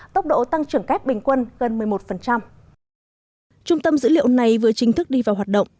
trung tâm dữ liệu này vừa chính thức đi vào hoạt động